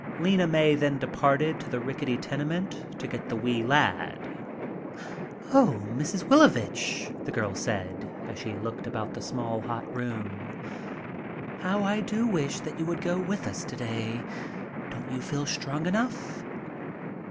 Lena May then departed to the rickety tenement to get the wee lad. "Oh, Mrs. Wilovich," the girl said, as she looked about the small, hot room. "How I do wish that you would go with us today. Don't you feel strong enough?"